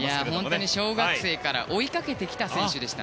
本当に小学生から追いかけてきた選手でした。